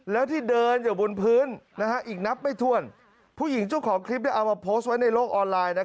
แล้วที่เดินอยู่บนพื้นอีกนับไม่ถ้วนผู้หญิงเจ้าของคลิปเอามาโพสต์ไว้ในโลกออนไลน์